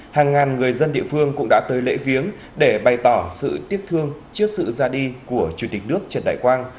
hàng ngàn người dân địa phương cũng đã tới lễ viếng để bày tỏ sự tiếc thương trước sự ra đi của chủ tịch nước trần đại quang